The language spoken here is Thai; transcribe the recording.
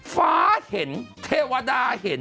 ฟ้าเห็นเทวดาเห็น